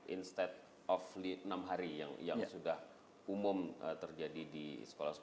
instead of lead enam hari yang sudah umum terjadi di sekolah sekolah